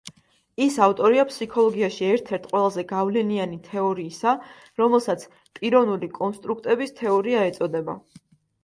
ის ავტორია ფსიქოლოგიაში ერთ-ერთ ყველაზე გავლენიანი თეორიისა, რომელსაც „პიროვნული კონსტრუქტების თეორია“ ეწოდება.